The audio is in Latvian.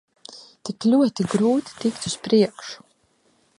Tik ļoti grūti tikt uz priekšu.